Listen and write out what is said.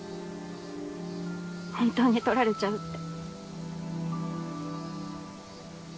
本当に取られちゃうって。